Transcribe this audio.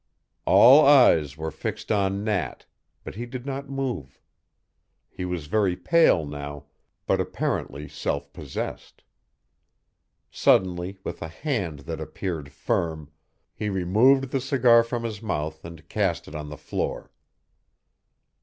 All eyes were fixed on Nat, but he did not move. He was very pale now, but apparently self possessed. Suddenly, with a hand that appeared firm, he removed the cigar from his mouth and cast it on the floor.